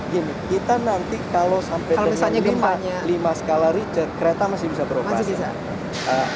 gini kita nanti kalau sampai dengan lima skala richter kereta masih bisa berubah